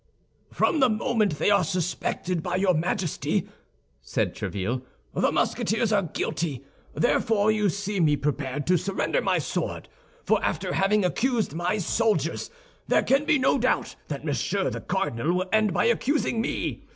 "From the moment they are suspected by your Majesty," said Tréville, "the Musketeers are guilty; therefore, you see me prepared to surrender my sword—for after having accused my soldiers, there can be no doubt that Monsieur the Cardinal will end by accusing me.